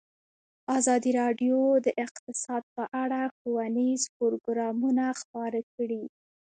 ازادي راډیو د اقتصاد په اړه ښوونیز پروګرامونه خپاره کړي.